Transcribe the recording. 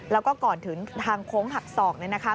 แล้วก็ก่อนถึงทางโค้งหักศอกเนี่ยนะคะ